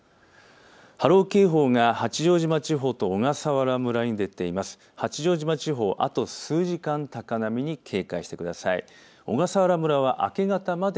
波浪警報が八丈島地方と小笠原村に出ています。